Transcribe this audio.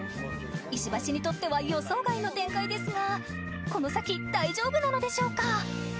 石橋にとっては予想外の展開ですがこの先大丈夫なのでしょうか？